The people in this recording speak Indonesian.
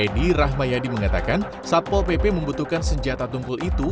edi rahmayadi mengatakan satpo pp membutuhkan senjata tungkul itu